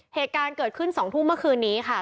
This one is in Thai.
เหตุการณ์เกิดขึ้น๒ทุ่มเมื่อคืนนี้ค่ะ